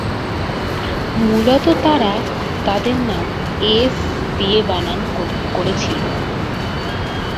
মূলত তারা তাদের নাম "এস" দিয়ে বানান করেছিল।